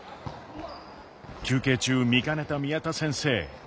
休憩中見かねた宮田先生。